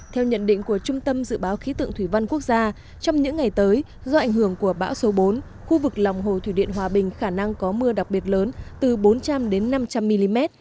theo nhận định của trung tâm dự báo khí tượng thủy văn quốc gia trong những ngày tới do ảnh hưởng của bão số bốn khu vực lòng hồ thủy điện hòa bình khả năng có mưa đặc biệt lớn từ bốn trăm linh năm trăm linh mm